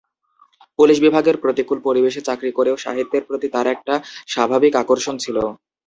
Police বিভাগের প্রতিকূল পরিবেশে চাকরি করেও সাহিত্যের প্রতি তাঁর একটা স্বাভাবিক আকর্ষণ ছিল।